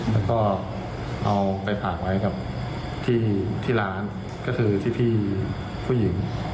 แล้วก็เอาไปฝากไว้กับที่ร้านก็คือที่พี่ผู้หญิง